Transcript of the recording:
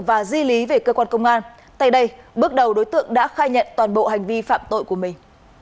và di lý về cơ quan công an tại đây bước đầu đối tượng đã khai nhận toàn bộ hành vi phạm tội của mình